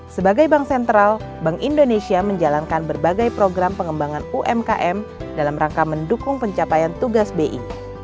sebagai bank sentral bank indonesia menjalankan berbagai program pengembangan umkm dalam rangka mendukung pencapaian tugas bi